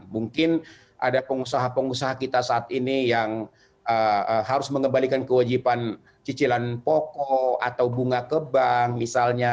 mungkin ada pengusaha pengusaha kita saat ini yang harus mengembalikan kewajiban cicilan pokok atau bunga ke bank misalnya